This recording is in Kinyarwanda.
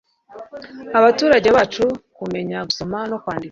abaturage bacu kumenya gusoma no kwandika